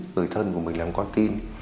người thân của mình làm con tin